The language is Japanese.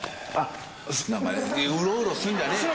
うろうろすんじゃねえ。